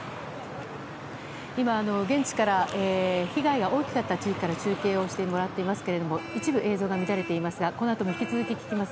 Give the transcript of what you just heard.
今、現地から被害が大きかった地域から中継をしてもらっていますけれども一部映像が乱れていますがこのあとも引き続き聞きます。